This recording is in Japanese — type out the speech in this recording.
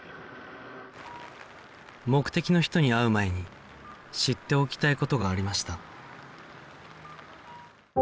目的の人に会う前に知っておきたい事がありました